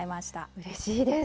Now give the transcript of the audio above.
うれしいです！